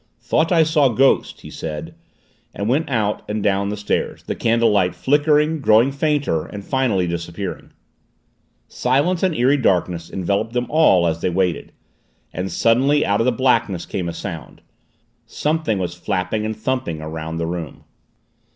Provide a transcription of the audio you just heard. "Thought I saw ghost," he said, and went out and down the stairs, the candlelight flickering, growing fainter, and finally disappearing. Silence and eerie darkness enveloped them all as they waited. And suddenly out of the blackness came a sound. Something was flapping and thumping around the room.